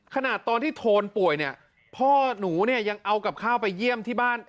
ขนาดตอนที่โทนป่วยเนี่ยพ่อหนูเนี่ยยังเอากับข้าวไปเยี่ยมที่บ้าน